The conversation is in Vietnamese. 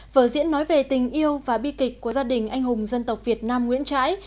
vở diễn nói về tình yêu và bi kịch của gia đình anh hùng dân tộc việt nam nguyễn trãi